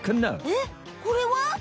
えっこれは？